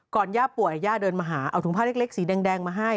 ย่าป่วยย่าเดินมาหาเอาถุงผ้าเล็กสีแดงมาให้